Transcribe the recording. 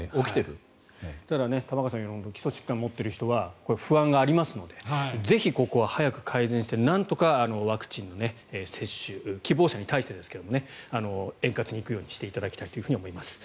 ただ玉川さんが言うように基礎疾患を持っている人は不安があるのでぜひ、ここは早く改善してなんとかワクチンの接種希望者に対してですが円滑に行くようにしていただきたいと思います。